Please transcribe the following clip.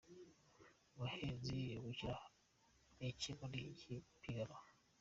Umuhinzi yungukira iki muri iri piganwa?.